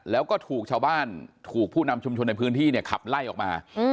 แล้วก็ถูกชาวบ้านถูกผู้นำชุมชนในพื้นที่เนี่ยขับไล่ออกมา